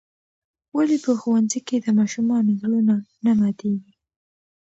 ولې په ښوونځي کې د ماشومانو زړونه نه ماتیږي؟